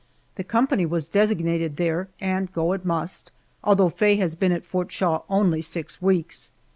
The company was designated there, and go it must, although Faye has been at Fort Shaw only six weeks.